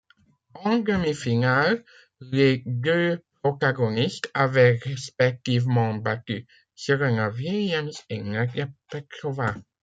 En demi-finale, les deux protagonistes avaient respectivement battu Serena Williams et Nadia Petrova.